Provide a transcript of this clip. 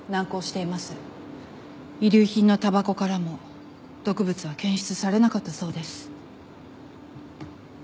遺留品のたばこからも毒物は検出されなかったそうです。